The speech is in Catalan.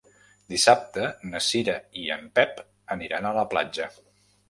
Dissabte na Cira i en Pep aniran a la platja.